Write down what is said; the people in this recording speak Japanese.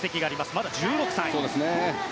まだ１６歳。